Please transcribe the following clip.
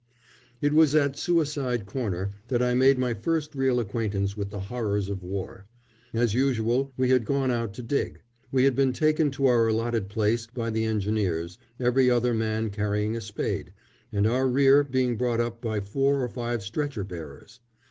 It was at "Suicide Corner" that I made my first real acquaintance with the horrors of war. As usual we had gone out to dig. We had been taken to our allotted place by the Engineers, every other man carrying a spade, and our rear being brought up by four or five stretcher bearers.